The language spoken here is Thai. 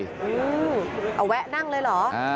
อื้อเอาแวะนั่งเลยหรอ